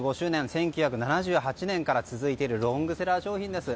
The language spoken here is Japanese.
１９７８年から続いているロングセラー商品です。